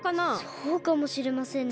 そうかもしれませんね。